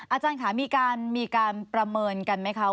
อาจารย์ค่ะมีการประเมินกันไหมคะ